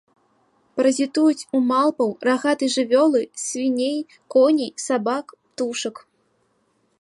Паразітуюць у малпаў, рагатай жывёлы, свіней, коней, сабак, птушак.